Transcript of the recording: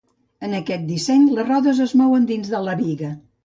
En aquest disseny les rodes es mouen dins de la biga.